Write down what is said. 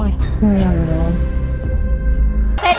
เซทีป้ายแดง